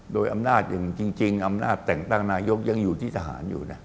โดยอำนาจอย่างจริงอำนาจแต่งตั้งนายกยังอยู่ที่ทหารอยู่นะ